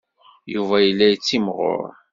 Yuba yella yettimɣur.